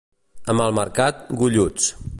A Malmercat, golluts.